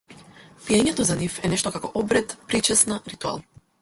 Пиењето за нив е нешто како обред, причесна, ритуал.